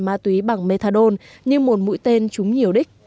ma túy bằng methadone như một mũi tên trúng nhiều đích